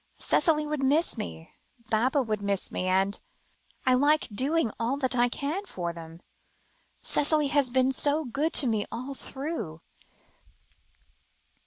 Cicely would miss me, Baba would miss me, and I like doing all I can for them. Cicely has been so good to me all through."